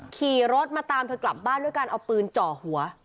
ขี่รถมาตามเธอกลับบ้านด้วยการเอาปืนจ่อหัว